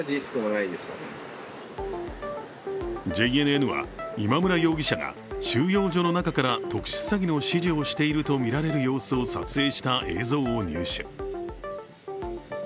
ＪＮＮは今村容疑者が収容所の中から特殊詐欺の指示をしているとみられる様子を撮影した映像を入手。